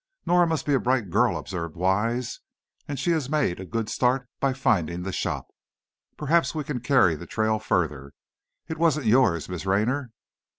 "Norah must be a bright girl," observed Wise, "and she has made a good start by finding the shop. Perhaps we can carry the trail further. It wasn't yours, Miss Raynor?"